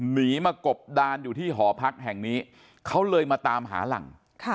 หนีมากบดานอยู่ที่หอพักแห่งนี้เขาเลยมาตามหาหลัง